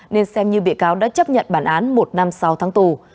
nên xem như bị cáo đã chấp nhận bản án một năm sáu tháng tù